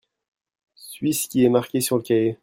suis ce qui est marqué sur le cahier.